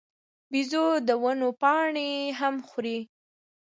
بیزو د ونو پاڼې هم خوري.